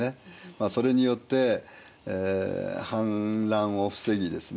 まあそれによって反乱を防ぎですね